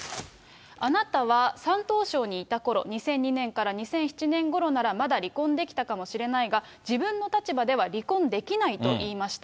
あなたは山東省にいたころ、２００２年から２００７年ごろならまだ離婚できたかもしれないが、自分の立場では離婚できないと言いました。